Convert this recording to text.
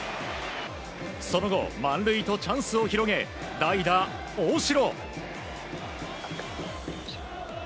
その後、満塁とチャンスを広げ代打、大城。